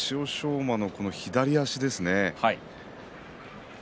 馬の左足ですよね。